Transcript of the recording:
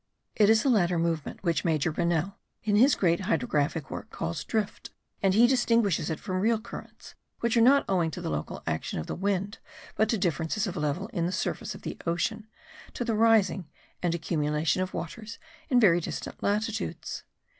It is the latter movement which Major Rennell, in his great hydrographic work, calls drift; and he distinguishes it from real currents, which are not owing to the local action of the wind, but to differences of level in the surface of the ocean; to the rising and accumulation of waters in very distant latitudes.